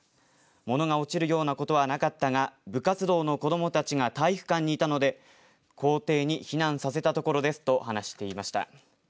物が落ちるようなことはなかったが部活動の子どもたちが体育館にいたので校庭に避難させたところですと話していました。